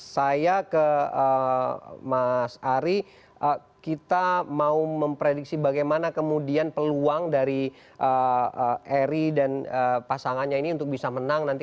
saya ke mas ari kita mau memprediksi bagaimana kemudian peluang dari eri dan pasangannya ini untuk bisa menang nanti